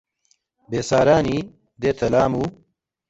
بێسارانی دێتە لام و